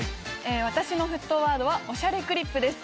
私の沸騰ワードは『おしゃれクリップ』です。